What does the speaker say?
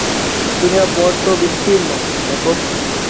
দুনিয়া বড্ড বিস্তীর্ণ, জ্যাকব।